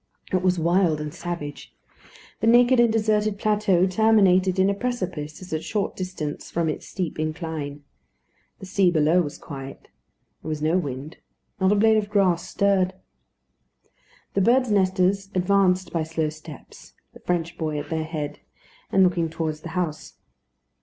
It was wild and savage. The naked and deserted plateau terminated in a precipice at a short distance from its steep incline. The sea below was quiet. There was no wind. Not a blade of grass stirred. The birds' nesters advanced by slow steps, the French boy at their head, and looking towards the house.